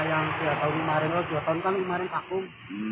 yang tiga tahun kemarin dua tahun kemarin akum